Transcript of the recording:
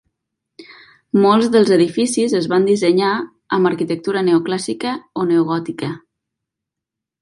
Molts dels edificis es van dissenyar amb arquitectura neoclàssica o neogòtica.